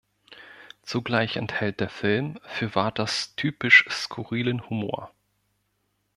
Zugleich enthält der Film für Waters typisch skurrilen Humor.